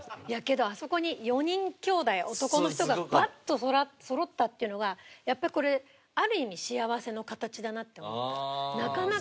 いやけどあそこに４人兄弟男の人がバッとそろったっていうのがやっぱこれある意味幸せの形だなって思った。